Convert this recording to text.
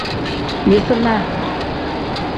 Yisinaa.